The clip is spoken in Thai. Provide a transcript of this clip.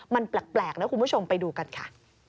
มันแปลกนะคุณผู้ชมไปดูกันค่ะ